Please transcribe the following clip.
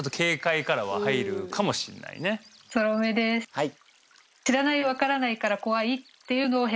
はい。